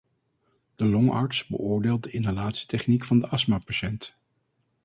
De longarts beoordeelt de inhalatietechniek van de astmapatiënt.